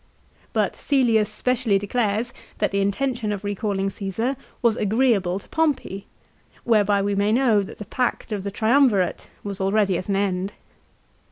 But Cselius specially declares that the in tention of recalling Caesar was agreeable to Pompey, whereby we may know that the pact of the Triumvirate was already at an end.